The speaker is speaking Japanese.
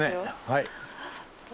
はい。